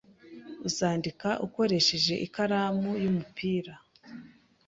Uzandika ukoresheje ikaramu y'umupira?